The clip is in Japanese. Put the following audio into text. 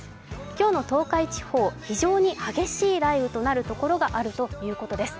今日の東海地方、非常に激しい雷雨となる所があるということです。